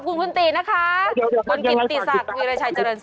คุณติเล่าเรื่องนี้ให้ฮะ